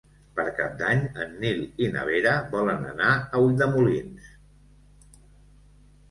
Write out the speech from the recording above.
Per Cap d'Any en Nil i na Vera volen anar a Ulldemolins.